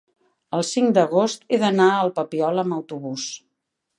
el cinc d'agost he d'anar al Papiol amb autobús.